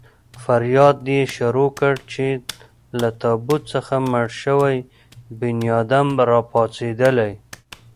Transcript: فریاد يې شروع کړ چې له تابوت څخه مړ شوی بنیادم را پاڅېدلی.